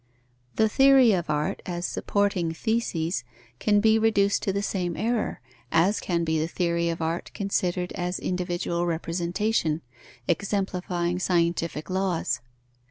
The theory of art as supporting theses can be reduced to the same error, as can be the theory of art considered as individual representation, exemplifying scientific laws.